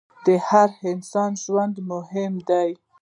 د هر انسان ژوند مهم دی.